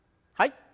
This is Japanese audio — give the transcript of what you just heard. はい。